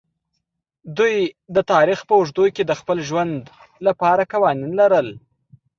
دوی د تاریخ په اوږدو کې د خپل ژوند لپاره قوانین لرل.